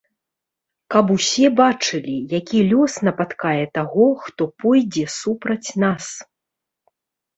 Каб усе бачылі, які лёс напаткае таго, хто пойдзе супраць нас.